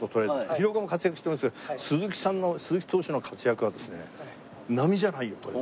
廣岡も活躍してますけど鈴木投手の活躍はですね並みじゃないよこれ。